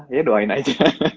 ya doain aja